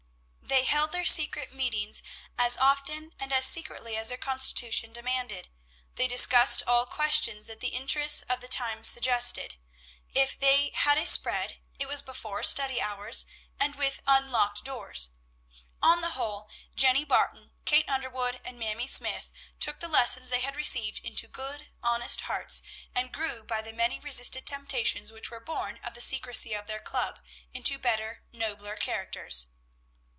They held their secret meetings as often and as secretly as their constitution demanded; they discussed all questions that the interests of the times suggested. If they had a spread, it was before study hours, and with unlocked doors. On the whole, Jenny Barton, Kate Underwood, and Mamie Smythe took the lessons they had received into good, honest hearts, and grew, by the many resisted temptations which were born of the secrecy of their club, into better, nobler characters.